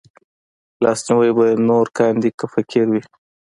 لاسنيوی به يې نور کاندي که فقير وي